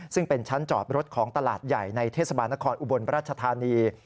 ซึ่งเป็นชั้นจอดรถของตลาดใหญ่ในเทศบาลนครอุบลราชธานี